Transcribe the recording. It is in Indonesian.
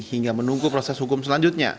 hingga menunggu proses hukum selanjutnya